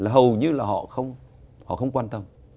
hầu như là họ không quan tâm